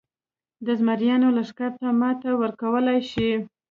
د زمریانو لښکر ته ماتې ورکولای شي.